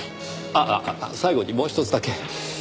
あああ最後にもうひとつだけ。